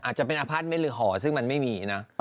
อาจจะเป็นอพาร์ทเมนต์หรือห่อซึ่งมันไม่มีนะ